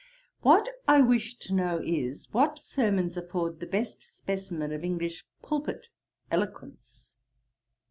'What I wish to know is, what sermons afford the best specimen of English pulpit eloquence.'